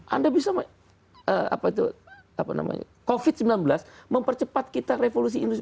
anda bisa apa itu apa namanya covid sembilan belas mempercepat kita revolusi industri empat